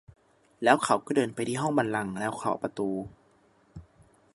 แล้วเขาก็เดินไปที่ห้องบัลลังก์แล้วเคาะประตู